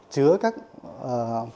chứa các nguyên chất